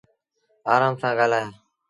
آرآم سآݩ ڳآلآيآ